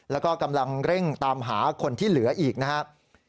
แล้วก็กำลังเร่งตามหาคนที่เหลืออีกนะครับ